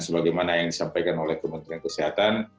sebagaimana yang disampaikan oleh kementerian kesehatan